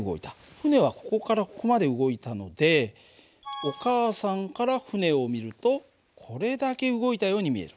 船はここからここまで動いたのでお母さんから船を見るとこれだけ動いたように見える。